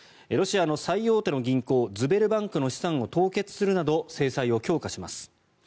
ロシアの最大手の銀行ズベルバンクの資産を凍結するなど制裁を強化します。